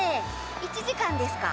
１時間ですか。